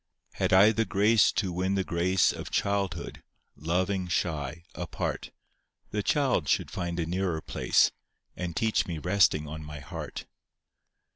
Had I the grace to win the grace Of childhood, loving shy, apart, The child should find a nearer place, And teach me resting on my heart.